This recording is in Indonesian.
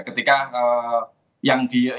ketika yang ada yang mengaku kerasukan